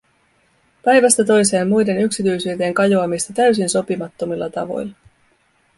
Päivästä toiseen muiden yksityisyyteen kajoamista täysin sopimattomilla tavoilla.